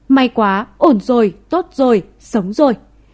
may quá ổn rồi tốt rồi sống rồi